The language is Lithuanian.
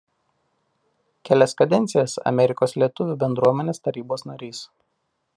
Kelias kadencijas Amerikos lietuvių bendruomenės tarybos narys.